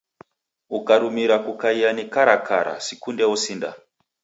Ukarumira kukaia ni karakara, sikunde osinda.